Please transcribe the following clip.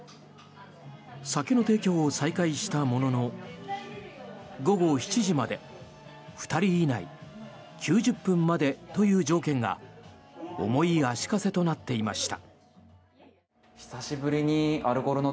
酒の提供を再開したものの午後７時まで２人以内９０分までという条件が重い足かせとなっていました。